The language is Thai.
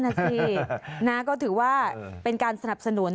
นะสินะก็ถือว่าเป็นการสนับสนุน